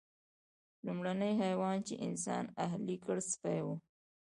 لومړنی حیوان چې انسان اهلي کړ سپی و.